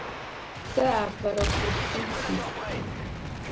Сэ апэрэ курсым сис.